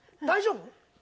大丈夫？